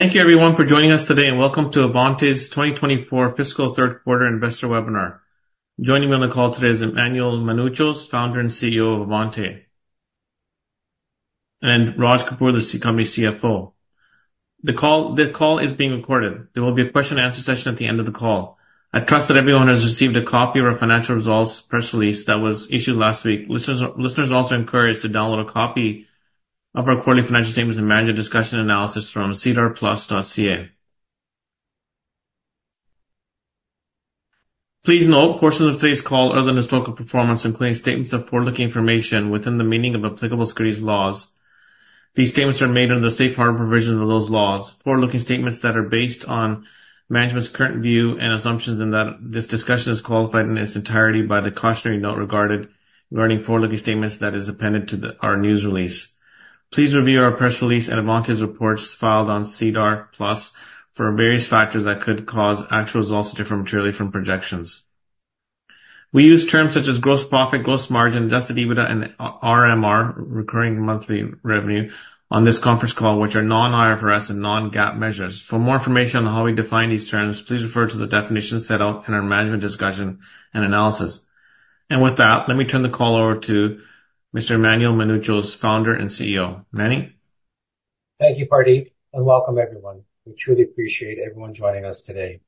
Thank you, everyone, for joining us today, and welcome to Avante's 2024 fiscal third-quarter investor webinar. Joining me on the call today is Emmanuel Mounouchos, founder and CEO of Avante, and Raj Kapoor, the company's CFO. The call is being recorded. There will be a question-and-answer session at the end of the call. I trust that everyone has received a copy of our financial results press release that was issued last week. Listeners are also encouraged to download a copy of our quarterly financial statements and management's discussion and analysis from SEDARplus.ca. Please note, portions of today's call are the historical performance, including statements of forward-looking information within the meaning of applicable securities laws. These statements are made under the safe harbor provisions of those laws. Forward-looking statements that are based on management's current view and assumptions in that this discussion is qualified in its entirety by the cautionary note regarding forward-looking statements that is appended to our news release. Please review our press release and Avante's reports filed on SEDAR+ for various factors that could cause actual results to differ materially from projections. We use terms such as gross profit, gross margin, adjusted EBITDA, and RMR, recurring monthly revenue, on this conference call, which are non-IFRS and non-GAAP measures. For more information on how we define these terms, please refer to the definition set out in our management discussion and analysis. And with that, let me turn the call over to Mr. Emmanuel Mounouchos, founder and CEO. Manny? Thank you, Pardeep, and welcome, everyone. We truly appreciate everyone joining us today.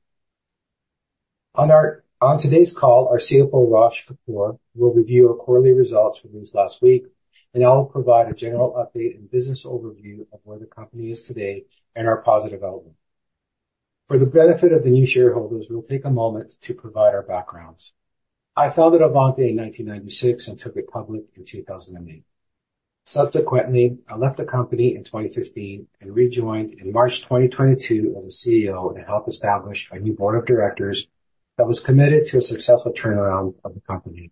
On today's call, our CFO, Raj Kapoor, will review our quarterly results released last week, and I will provide a general update and business overview of where the company is today and our positive outlook. For the benefit of the new shareholders, we'll take a moment to provide our backgrounds. I founded Avante in 1996 and took it public in 2008. Subsequently, I left the company in 2015 and rejoined in March 2022 as CEO to help establish a new board of directors that was committed to a successful turnaround of the company.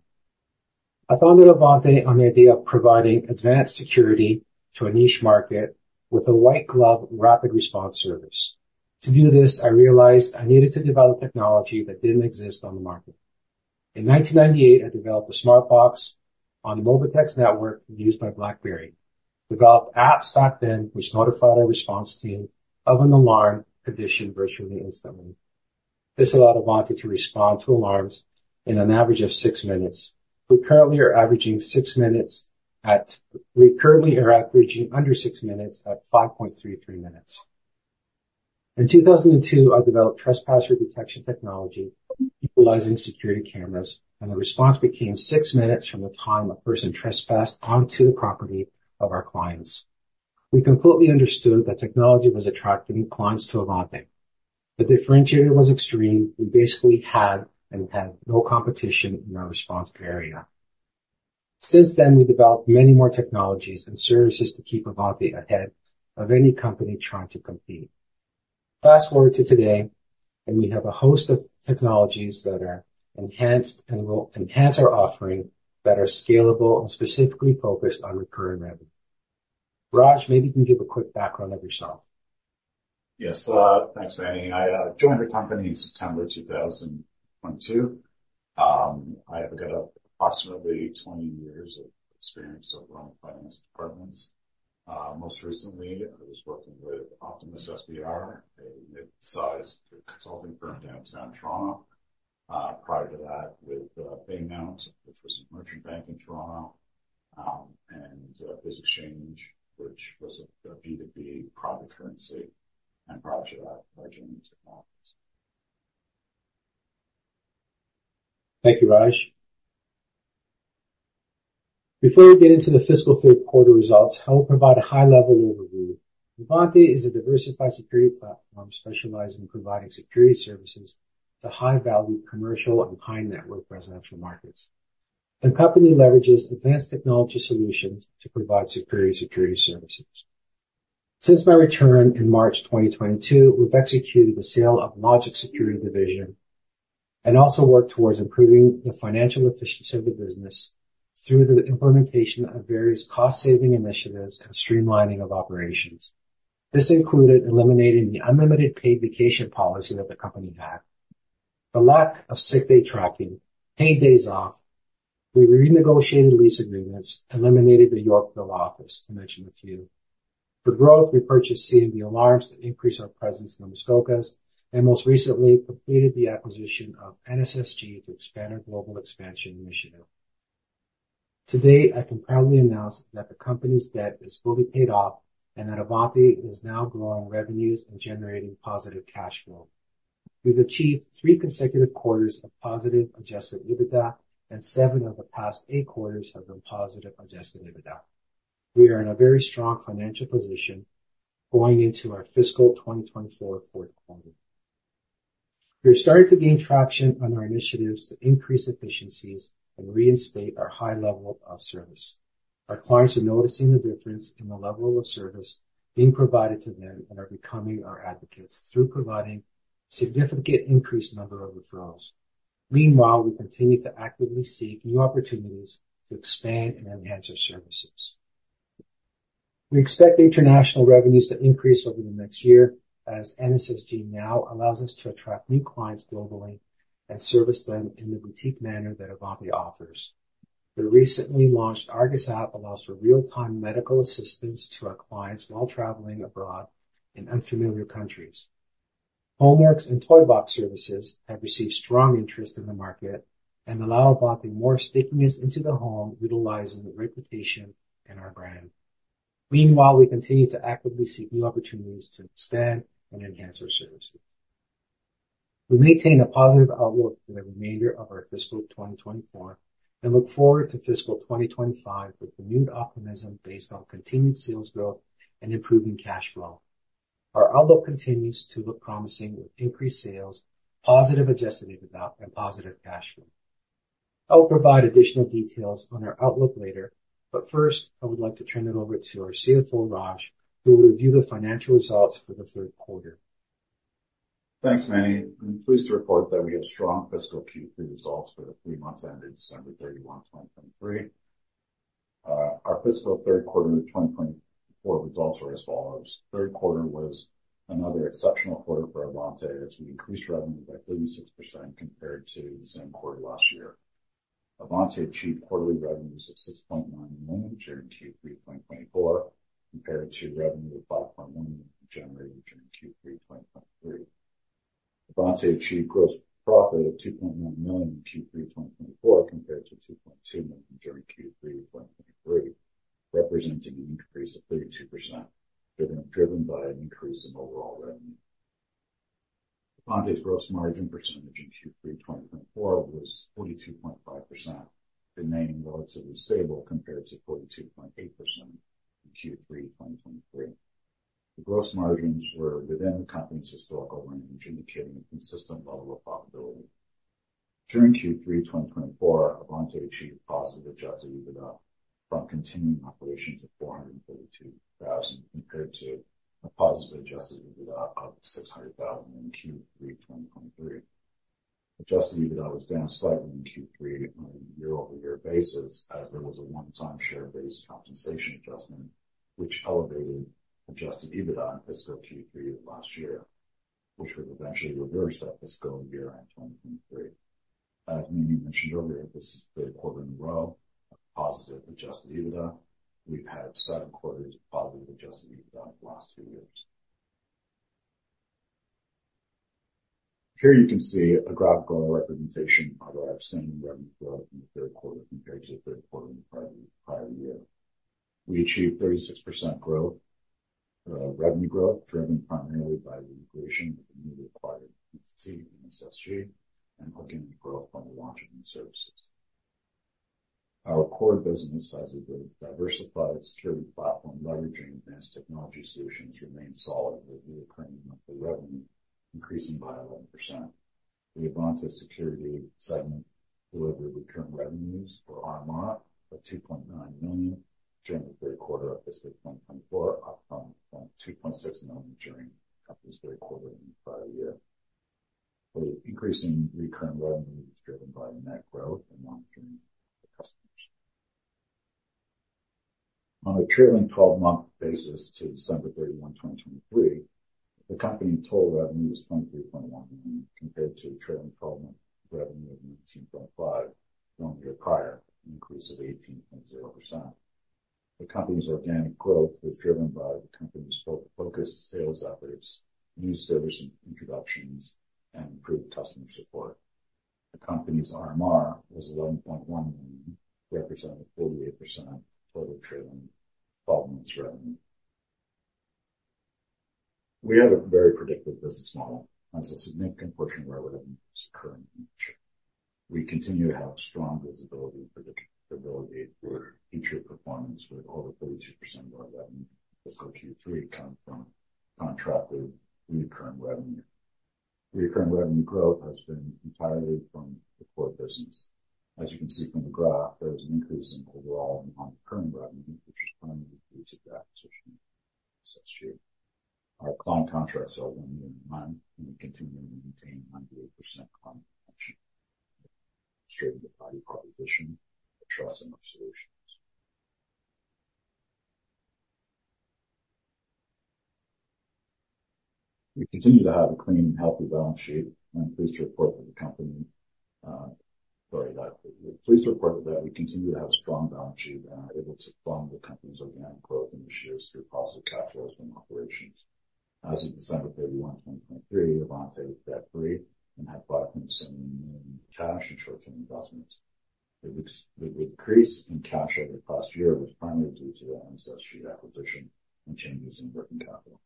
I founded Avante on the idea of providing advanced security to a niche market with a white-glove rapid response service. To do this, I realized I needed to develop technology that didn't exist on the market. In 1998, I developed a smart box on the Mobitex network used by BlackBerry, developed apps back then which notified our response team of an alarm condition virtually instantly. This allowed Avante to respond to alarms in an average of six minutes. We currently are averaging six minutes. We currently are averaging under six minutes at 5.33 minutes. In 2002, I developed trespass redetection technology utilizing security cameras, and the response became six minutes from the time a person trespassed onto the property of our clients. We completely understood that technology was attracting clients to Avante. The differentiator was extreme. We basically had no competition in our response area. Since then, we developed many more technologies and services to keep Avante ahead of any company trying to compete. Fast forward to today, and we have a host of technologies that are enhanced and will enhance our offering that are scalable and specifically focused on recurring revenue. Raj, maybe you can give a quick background of yourself. Yes. Thanks, Manny. I joined the company in September 2022. I have got approximately 20 years of experience overall in finance departments. Most recently, I was working with Optimus SBR, a mid-sized consulting firm downtown Toronto. Prior to that, with Paymount, which was a merchant bank in Toronto, and BizXchange, which was a B2B private currency. Prior to that, Dormond Industries. Thank you, Raj. Before we get into the fiscal third-quarter results, I will provide a high-level overview. Avante is a diversified security platform specialized in providing security services to high-value commercial and high-net-worth residential markets. The company leverages advanced technology solutions to provide superior security services. Since my return in March 2022, we've executed the sale of Logixx Security Division and also worked towards improving the financial efficiency of the business through the implementation of various cost-saving initiatives and streamlining of operations. This included eliminating the unlimited paid vacation policy that the company had, the lack of sick-day tracking, paid days off. We renegotiated lease agreements, eliminated the Yorkville office, to mention a few. For growth, we purchased C&B Alarms to increase our presence in the Muskokas, and most recently, completed the acquisition of NSSG to expand our global expansion initiative. Today, I can proudly announce that the company's debt is fully paid off and that Avante is now growing revenues and generating positive cash flow. We've achieved three consecutive quarters of positive Adjusted EBITDA, and seven of the past eight quarters have been positive Adjusted EBITDA. We are in a very strong financial position going into our fiscal 2024 fourth quarter. We are starting to gain traction on our initiatives to increase efficiencies and reinstate our high level of service. Our clients are noticing the difference in the level of service being provided to them and are becoming our advocates through providing a significant increased number of referrals. Meanwhile, we continue to actively seek new opportunities to expand and enhance our services. We expect international revenues to increase over the next year as NSSG now allows us to attract new clients globally and service them in the boutique manner that Avante offers. The recently launched Argus app allows for real-time medical assistance to our clients while traveling abroad in unfamiliar countries. HomeWorks and ToyBoxx services have received strong interest in the market and allow Avante more stickiness into the home utilizing the reputation and our brand. Meanwhile, we continue to actively seek new opportunities to expand and enhance our services. We maintain a positive outlook for the remainder of our fiscal 2024 and look forward to fiscal 2025 with renewed optimism based on continued sales growth and improving cash flow. Our outlook continues to look promising with increased sales, positive Adjusted EBITDA, and positive cash flow. I will provide additional details on our outlook later, but first, I would like to turn it over to our CFO, Raj, who will review the financial results for the third quarter. Thanks, Manny. I'm pleased to report that we have strong fiscal Q3 results for the three months ended December 31, 2023. Our fiscal third quarter of 2024 results are as follows. Third quarter was another exceptional quarter for Avante as we increased revenue by 36% compared to the same quarter last year. Avante achieved quarterly revenues of 6.9 million during Q3 2024 compared to revenue of 5.1 million generated during Q3 2023. Avante achieved gross profit of 2.9 million in Q3 2024 compared to 2.2 million during Q3 2023, representing an increase of 32% driven by an increase in overall revenue. Avante's gross margin percentage in Q3 2024 was 42.5%, remaining relatively stable compared to 42.8% in Q3 2023. The gross margins were within the company's historical range, indicating a consistent level of profitability. During Q3 2024, Avante achieved positive Adjusted EBITDA from continuing operations at 442,000 compared to a positive Adjusted EBITDA of 600,000 in Q3 2023. Adjusted EBITDA was down slightly in Q3 on a year-over-year basis as there was a one-time share-based compensation adjustment which elevated Adjusted EBITDA in fiscal Q3 of last year, which was eventually reversed at fiscal year-end 2023. As Manny mentioned earlier, this is the third quarter in a row of positive Adjusted EBITDA. We've had seven quarters of positive Adjusted EBITDA in the last two years. Here you can see a graphical representation of our outstanding revenue growth in the third quarter compared to the third quarter in the prior year. We achieved 36% revenue growth driven primarily by the integration with the newly acquired entity, NSSG, and organic growth from the launch of new services. Our core business as a diversified security platform leveraging advanced technology solutions remains solid with recurring monthly revenue increasing by 11%. The Avante security segment delivered recurring revenues for RMR of 2.9 million during the third quarter of fiscal 2024, up from 2.6 million during the company's third quarter in the prior year. The increasing recurring revenue is driven by net growth and monitoring of customers. On a trailing 12-month basis to December 31, 2023, the company's total revenue was 23.1 million compared to a trailing 12-month revenue of 19.5 million year prior, an increase of 18.0%. The company's organic growth was driven by the company's focused sales efforts, new service introductions, and improved customer support. The company's RMR was 11.1 million, representing 48% total trailing 12-months revenue. We have a very predictive business model as a significant portion of our revenue is occurring in the future. We continue to have strong visibility and predictability for future performance with over 32% of our revenue in fiscal Q3 coming from contracted recurring revenue. Recurring revenue growth has been entirely from the core business. As you can see from the graph, there is an increase in overall non-recurring revenue, which is primarily due to the acquisition of NSSG. Our client contracts are one year minimum, and we continue to maintain 98% client retention due to our value proposition trusting our solutions. We continue to have a clean and healthy balance sheet. I'm pleased to report—sorry—that we continue to have a strong balance sheet and are able to fund the company's organic growth initiatives through positive cash flows from operations. As of December 31, 2023, Avante was debt-free and had 570 million in cash and short-term investments. The decrease in cash over the past year was primarily due to the NSSG acquisition and changes in working capital.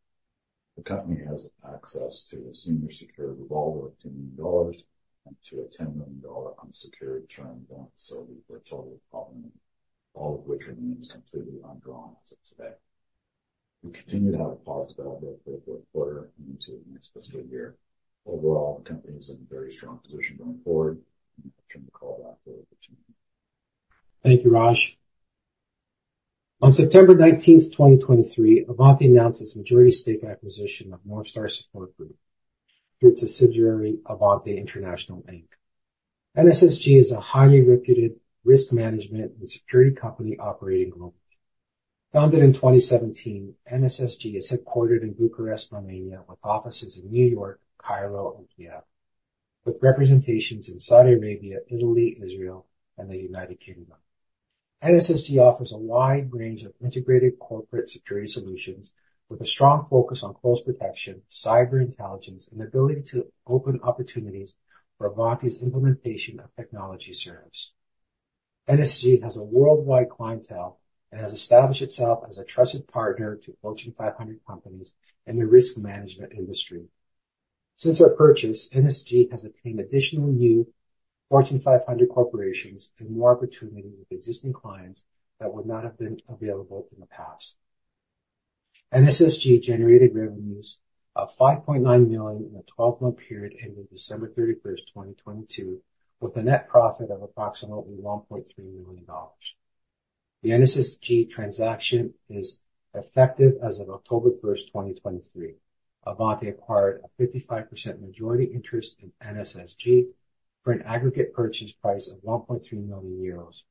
The company has access to a senior secured revolver of 2 million dollars and to a 10 million dollar unsecured term balance solely for total property, all of which remains completely undrawn as of today. We continue to have a positive outlook for the fourth quarter and into the next fiscal year. Overall, the company is in a very strong position going forward, and I turn the call back over to Manny. Thank you, Raj. On September 19, 2023, Avante announced its majority stake acquisition of North Star Support Group through its subsidiary, Avante International Inc. NSSG is a highly reputed risk management and security company operating globally. Founded in 2017, NSSG is headquartered in Bucharest, Romania, with offices in New York, Cairo, and Kyiv, with representations in Saudi Arabia, Italy, Israel, and the United Kingdom. NSSG offers a wide range of integrated corporate security solutions with a strong focus on close protection, cyber intelligence, and the ability to open opportunities for Avante's implementation of technology service. NSSG has a worldwide clientele and has established itself as a trusted partner to Fortune 500 companies in the risk management industry. Since our purchase, NSSG has attained additional new Fortune 500 corporations and more opportunity with existing clients that would not have been available in the past. NSSG generated revenues of $5.9 million in a 12-month period ending December 31, 2022, with a net profit of approximately $1.3 million. The NSSG transaction is effective as of October 1, 2023. Avante acquired a 55% majority interest in NSSG for an aggregate purchase price of 1.3 million euros,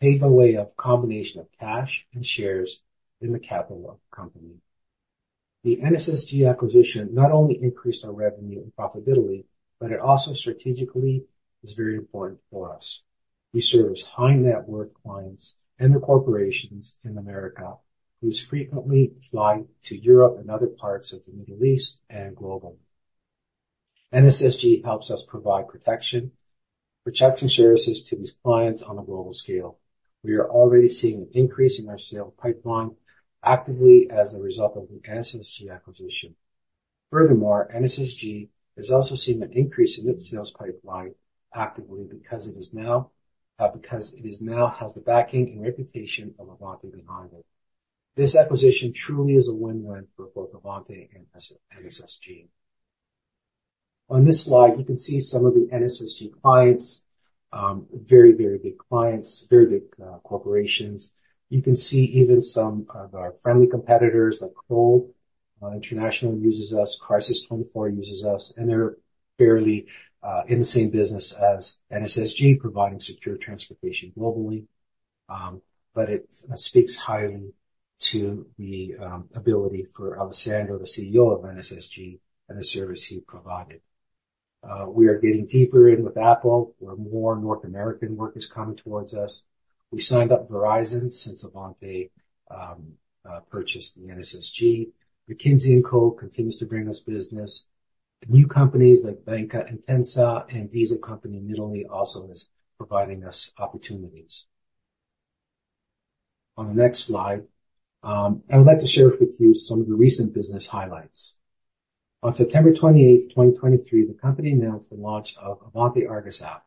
paid by way of a combination of cash and shares in the capital of the company. The NSSG acquisition not only increased our revenue and profitability, but it also strategically is very important for us. We serve as high-net-worth clients and the corporations in America who frequently fly to Europe and other parts of the Middle East and globally. NSSG helps us provide protection services to these clients on a global scale. We are already seeing an increase in our sales pipeline actively as a result of the NSSG acquisition. Furthermore, NSSG is also seeing an increase in its sales pipeline actively because it now has the backing and reputation of Avante behind it. This acquisition truly is a win-win for both Avante and NSSG. On this slide, you can see some of the NSSG clients, very, very big clients, very big corporations. You can see even some of our friendly competitors like Kroll uses us, Crisis24 uses us, and they're fairly in the same business as NSSG, providing secure transportation globally. But it speaks highly to the ability for Alexander, the CEO of NSSG, and the service he provided. We are getting deeper in with Apple where more North American work is coming towards us. We signed up Verizon since Avante purchased the NSSG. McKinsey & Company continues to bring us business. New companies like Banca Intesa and Diesel S.p.A. also are providing us opportunities. On the next slide, I would like to share with you some of the recent business highlights. On September 28, 2023, the company announced the launch of Avante Argus app,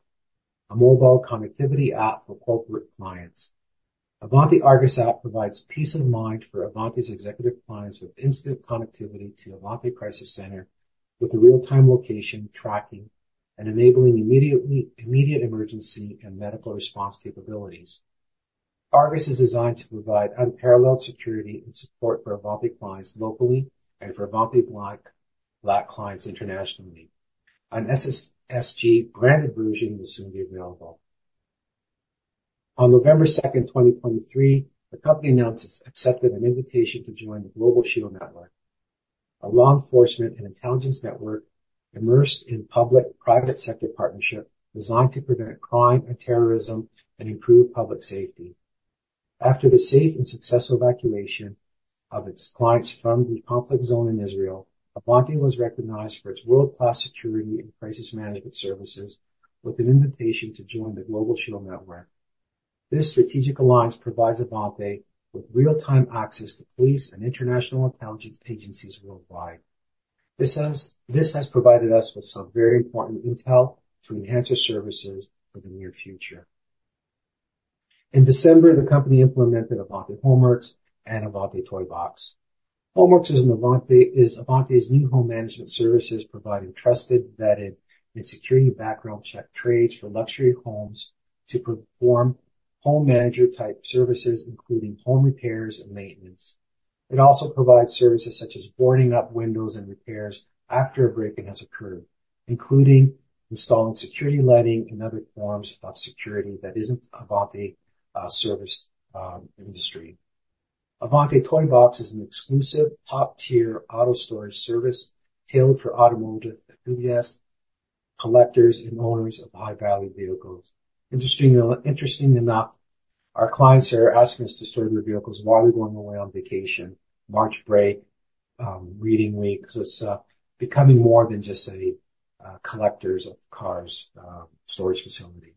a mobile connectivity app for corporate clients. Avante Argus app provides peace of mind for Avante's executive clients with instant connectivity to Avante Crisis Center with a real-time location tracking and enabling immediate emergency and medical response capabilities. Argus is designed to provide unparalleled security and support for Avante clients locally and for Avante Black clients internationally. An NSSG branded version will soon be available. On November 2, 2023, the company announced it's accepted an invitation to join the Global Shield Network, a law enforcement and intelligence network immersed in public-private sector partnership designed to prevent crime and terrorism and improve public safety. After the safe and successful evacuation of its clients from the conflict zone in Israel, Avante was recognized for its world-class security and crisis management services with an invitation to join the Global Shield Network. This strategic alliance provides Avante with real-time access to police and international intelligence agencies worldwide. This has provided us with some very important intel to enhance our services for the near future. In December, the company implemented Avante HomeWorks and Avante ToyBox. HomeWorks is Avante's new home management services providing trusted, vetted, and security background check trades for luxury homes to perform home manager-type services, including home repairs and maintenance. It also provides services such as boarding up windows and repairs after a break-in has occurred, including installing security lighting and other forms of security that isn't Avante's service industry. Avante ToyBoxx is an exclusive top-tier auto storage service tailored for automotive enthusiasts, collectors, and owners of high-value vehicles. Interestingly enough, our clients are asking us to store their vehicles while they're going away on vacation, March break, reading week. So it's becoming more than just a collectors of cars storage facility.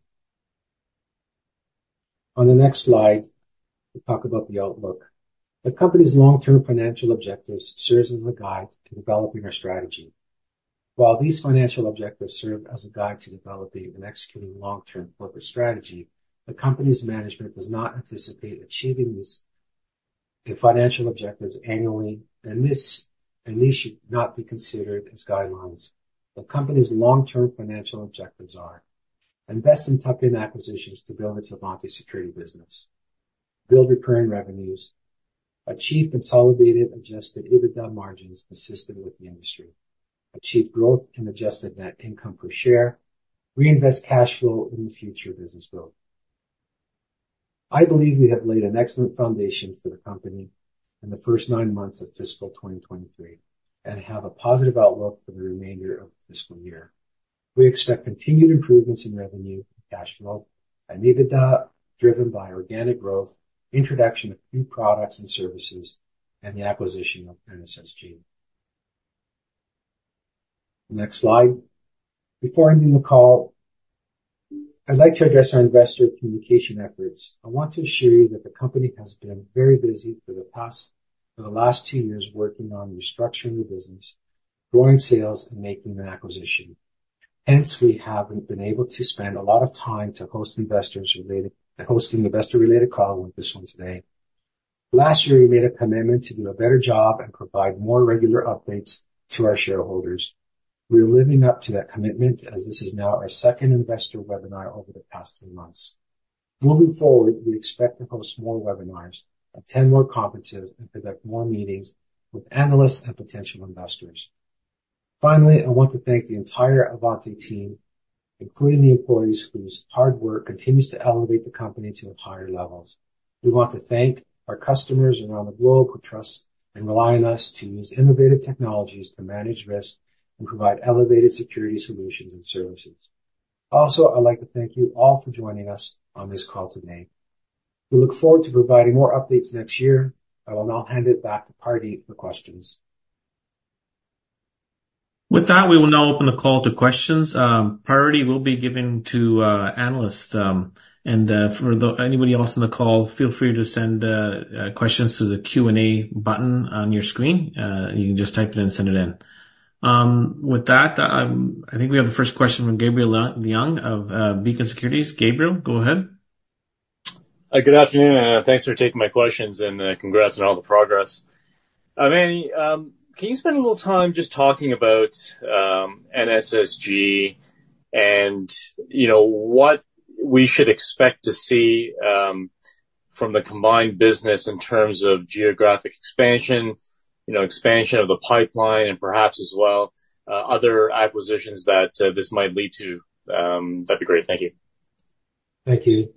On the next slide, we'll talk about the outlook. The company's long-term financial objectives serve as a guide to developing our strategy. While these financial objectives serve as a guide to developing and executing long-term corporate strategy, the company's management does not anticipate achieving these financial objectives annually, and these should not be considered as guidelines. The company's long-term financial objectives are: invest in tuck-in acquisitions to build its Avante security business, build recurring revenues, achieve consolidated adjusted EBITDA margins consistent with the industry, achieve growth in adjusted net income per share, reinvest cash flow in the future business growth. I believe we have laid an excellent foundation for the company in the first nine months of fiscal 2023 and have a positive outlook for the remainder of the fiscal year. We expect continued improvements in revenue, cash flow, and EBITDA driven by organic growth, introduction of new products and services, and the acquisition of NSSG. Next slide. Before ending the call, I'd like to address our investor communication efforts. I want to assure you that the company has been very busy for the last two years working on restructuring the business, growing sales, and making an acquisition. Hence, we haven't been able to spend a lot of time hosting investor-related calls like this one today. Last year, we made a commitment to do a better job and provide more regular updates to our shareholders. We are living up to that commitment as this is now our second investor webinar over the past three months. Moving forward, we expect to host more webinars, attend more conferences, and conduct more meetings with analysts and potential investors. Finally, I want to thank the entire Avante team, including the employees whose hard work continues to elevate the company to higher levels. We want to thank our customers around the globe who trust and rely on us to use innovative technologies to manage risk and provide elevated security solutions and services. Also, I'd like to thank you all for joining us on this call today. We look forward to providing more updates next year, and I'll hand it back to Pardeep for questions. With that, we will now open the call to questions. Pardeep will be given to analysts. For anybody else on the call, feel free to send questions to the Q&A button on your screen. You can just type it in and send it in. With that, I think we have the first question from Gabriel Leung of Beacon Securities. Gabriel, go ahead. Good afternoon. Thanks for taking my questions and congrats on all the progress. Manny, can you spend a little time just talking about NSSG and what we should expect to see from the combined business in terms of geographic expansion, expansion of the pipeline, and perhaps as well other acquisitions that this might lead to? That'd be great. Thank you. Thank you.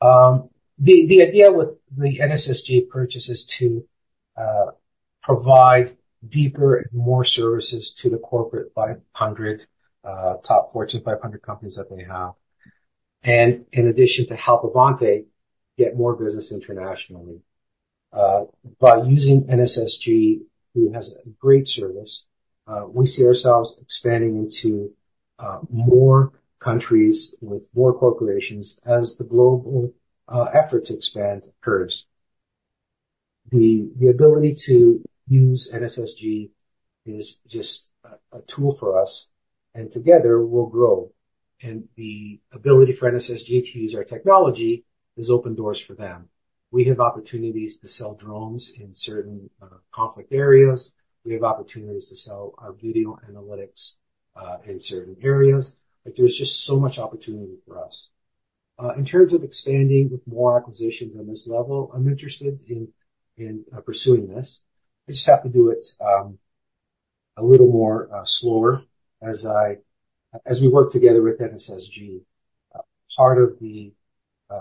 The idea with the NSSG purchase is to provide deeper and more services to the corporate 500 top Fortune 500 companies that they have, and in addition to help Avante get more business internationally. By using NSSG, who has a great service, we see ourselves expanding into more countries with more corporations as the global effort to expand occurs. The ability to use NSSG is just a tool for us, and together, we'll grow. The ability for NSSG to use our technology is open doors for them. We have opportunities to sell drones in certain conflict areas. We have opportunities to sell our video analytics in certain areas. There's just so much opportunity for us. In terms of expanding with more acquisitions on this level, I'm interested in pursuing this. I just have to do it a little more slower as we work together with NSSG. Part of the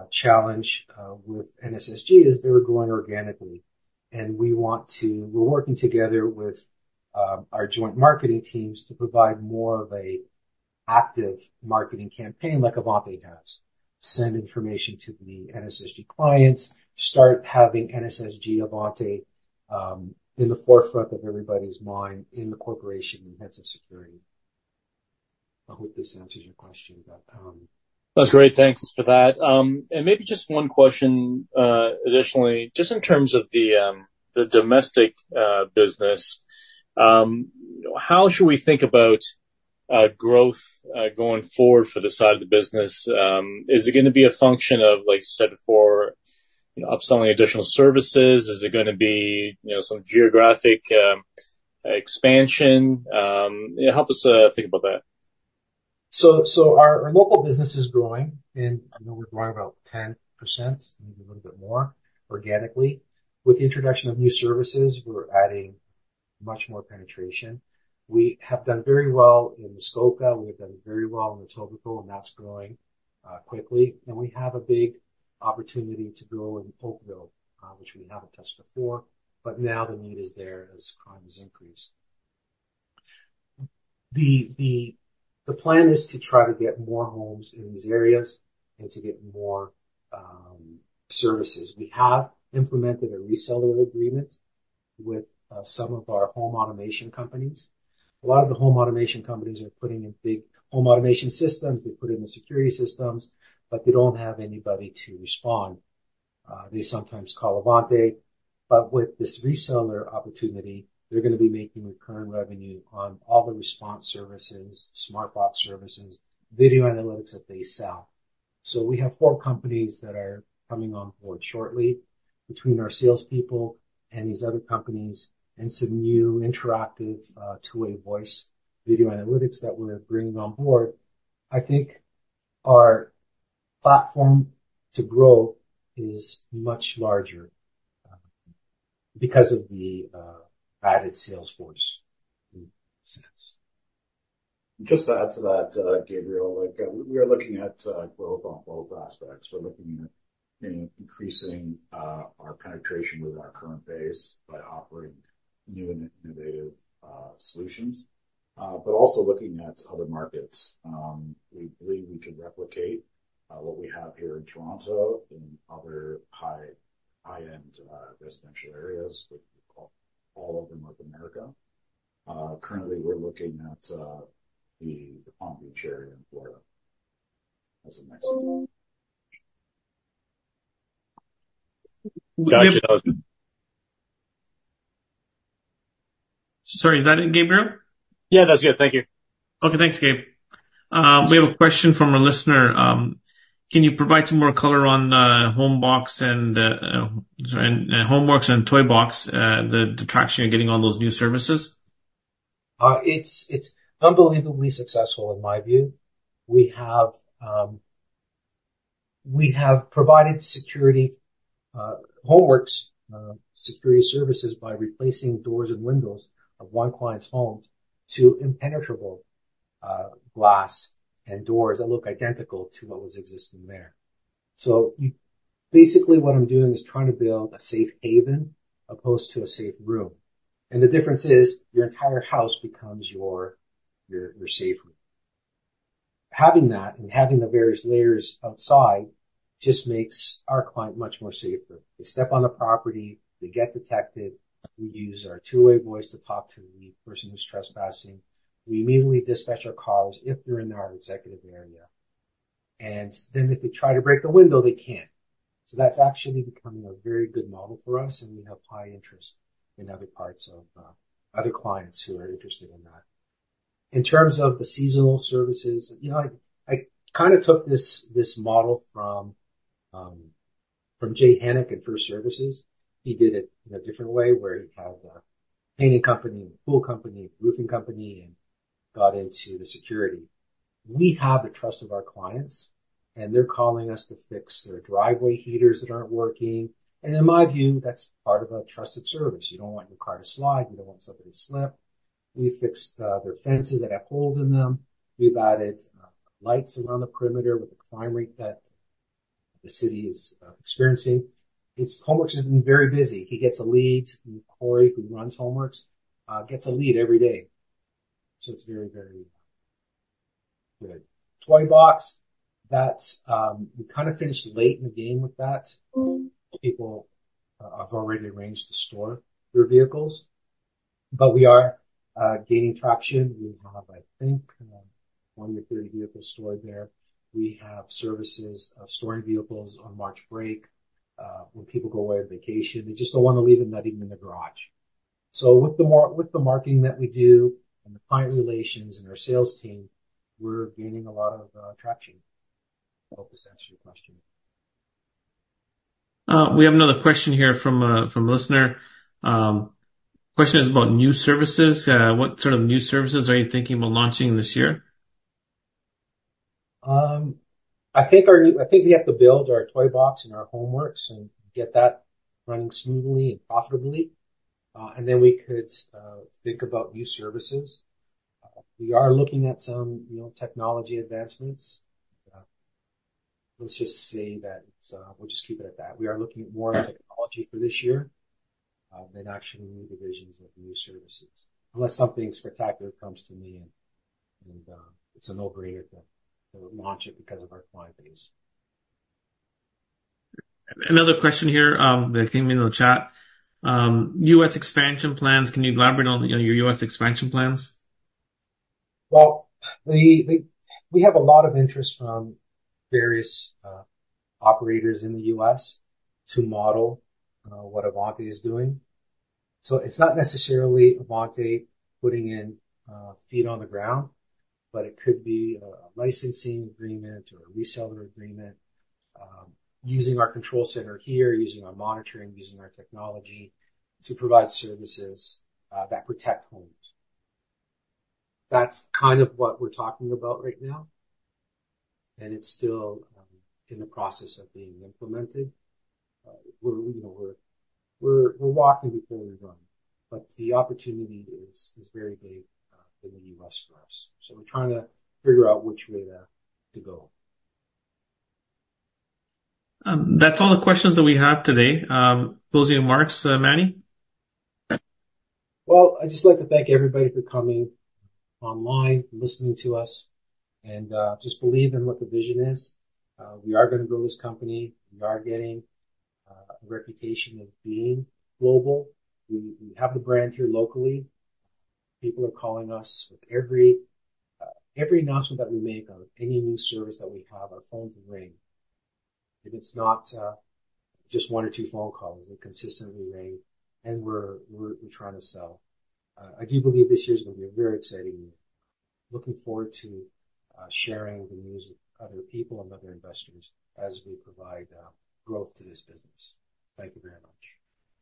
challenge with NSSG is they're growing organically, and we're working together with our joint marketing teams to provide more of an active marketing campaign like Avante has, send information to the NSSG clients, start having NSSG Avante in the forefront of everybody's mind in the corporation in terms of security. I hope this answers your question, but. That's great. Thanks for that. Maybe just one question additionally, just in terms of the domestic business, how should we think about growth going forward for the side of the business? Is it going to be a function of, like you said before, upselling additional services? Is it going to be some geographic expansion? Help us think about that. So our local business is growing, and we're growing about 10%, maybe a little bit more organically. With the introduction of new services, we're adding much more penetration. We have done very well in Muskoka. We have done very well in Etobicoke, and that's growing quickly. And we have a big opportunity to grow in Oakville, which we haven't touched before. But now the need is there as crime has increased. The plan is to try to get more homes in these areas and to get more services. We have implemented a reseller agreement with some of our home automation companies. A lot of the home automation companies are putting in big home automation systems. They put in the security systems, but they don't have anybody to respond. They sometimes call Avante. But with this reseller opportunity, they're going to be making recurring revenue on all the response services, smart box services, video analytics that they sell. So we have four companies that are coming on board shortly between our salespeople and these other companies and some new interactive two-way voice video analytics that we're bringing on board. I think our platform to grow is much larger because of the added sales force in a sense. Just to add to that, Gabriel, we are looking at growth on both aspects. We're looking at increasing our penetration with our current base by offering new and innovative solutions, but also looking at other markets. We believe we can replicate what we have here in Toronto in other high-end residential areas, all over North America. Currently, we're looking at the Palm Beach area in Florida as a next step. Gotcha. Sorry, was that Gabriel? Yeah, that's good. Thank you. Okay. Thanks, Gabe. We have a question from a listener. Can you provide some more color on Homebox and HomeWorks and ToyBoxx, the traction you're getting on those new services? It's unbelievably successful, in my view. We have provided security HomeWorks security services by replacing doors and windows of one client's homes to impenetrable glass and doors that look identical to what was existing there. So basically, what I'm doing is trying to build a safe haven opposed to a safe room. And the difference is your entire house becomes your safe room. Having that and having the various layers outside just makes our client much more safer. They step on the property. They get detected. We use our two-way voice to talk to the person who's trespassing. We immediately dispatch our calls if they're in our executive area. And then if they try to break the window, they can't. So that's actually becoming a very good model for us, and we have high interest in other parts of other clients who are interested in that. In terms of the seasonal services, I kind of took this model from Jay Hennick at FirstService. He did it in a different way where he had the painting company, pool company, roofing company, and got into the security. We have the trust of our clients, and they're calling us to fix their driveway heaters that aren't working. In my view, that's part of a trusted service. You don't want your car to slide. You don't want somebody to slip. We've fixed their fences that have holes in them. We've added lights around the perimeter with the crime rate that the city is experiencing. HomeWorks has been very busy. He gets a lead. Corey, who runs HomeWorks, gets a lead every day. So it's very, very good. ToyBoxx, we kind of finished late in the game with that. People have already arranged to store their vehicles, but we are gaining traction. We have, I think, 20 or 30 vehicles stored there. We have services of storing vehicles on March break when people go away on vacation. They just don't want to leave them not even in the garage. So with the marketing that we do and the client relations and our sales team, we're gaining a lot of traction. I hope this answers your question. We have another question here from a listener. The question is about new services. What sort of new services are you thinking about launching this year? I think we have to build our ToyBoxx and our Homeworks and get that running smoothly and profitably. And then we could think about new services. We are looking at some technology advancements. Let's just say that we'll just keep it at that. We are looking at more technology for this year than actually new divisions with new services, unless something spectacular comes to me, and it's a no-brainer to launch it because of our client base. Another question here that came in the chat. U.S. expansion plans, can you elaborate on your U.S. expansion plans? Well, we have a lot of interest from various operators in the U.S. to model what Avante is doing. So it's not necessarily Avante putting in feet on the ground, but it could be a licensing agreement or a reseller agreement, using our control center here, using our monitoring, using our technology to provide services that protect homes. That's kind of what we're talking about right now, and it's still in the process of being implemented. We're walking before we're done, but the opportunity is very big in the U.S. for us. So we're trying to figure out which way to go. That's all the questions that we have today. Closing remarks, Manny? Well, I'd just like to thank everybody for coming online, listening to us, and just believe in what the vision is. We are going to grow this company. We are getting a reputation of being global. We have the brand here locally. People are calling us with every announcement that we make on any new service that we have. Our phones ring. If it's not just one or two phone calls, they consistently ring, and we're trying to sell. I do believe this year is going to be a very exciting year. Looking forward to sharing the news with other people and other investors as we provide growth to this business. Thank you very much.